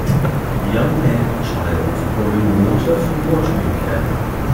Young male child pouring water from watering can